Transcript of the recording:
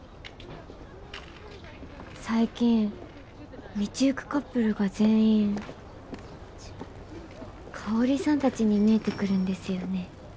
最近道ゆくカップルが全員香さん達に見えてくるんですよね。